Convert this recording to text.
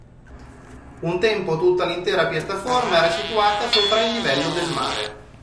Un tempo tutta l'intera piattaforma era situata sopra il livello del mare.